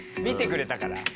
見てくれたから。